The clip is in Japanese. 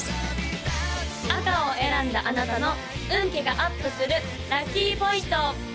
赤を選んだあなたの運気がアップするラッキーポイント！